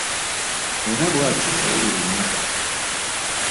Era bwatyo yawulira ennaku .